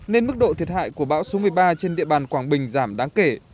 nên mức độ thiệt hại của bão số một mươi ba trên địa bàn quảng bình giảm đáng kể